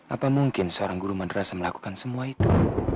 apa mungkin seorang guru madrasah melakukan semua itu